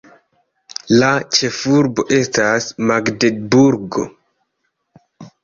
La ĉefurbo estas Magdeburgo.